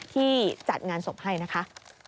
ที่จัดงานศพให้นะคะ